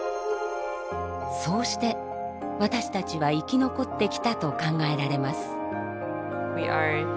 そうして私たちは生き残ってきたと考えられます。